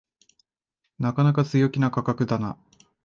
なかなか強気な価格だな